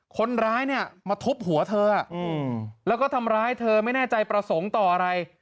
คนร้ายเนี่ยมาทุบหัวเธอแล้วก็ทำร้ายเธอไม่แน่ใจประสงค์ต่ออะไร